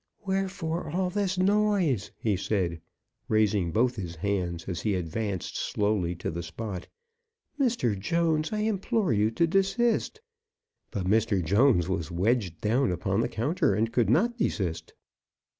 "Wherefore all this noise?" he said, raising both his hands as he advanced slowly to the spot. "Mr. Jones, I implore you to desist!" But Mr. Jones was wedged down upon the counter, and could not desist.